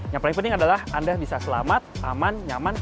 yang paling penting adalah anda bisa selamat aman nyaman